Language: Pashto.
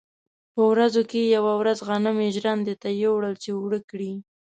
په ورځو کې یوه ورځ غنم یې ژرندې ته یووړل چې اوړه کړي.